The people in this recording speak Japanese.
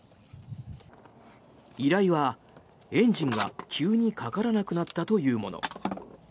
依頼はエンジンが急にかからなくなったというもの。